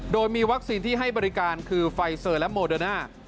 โดยมีวัคซีนที่ให้บริการคือไฟเซอร์และโมเดอร์น่า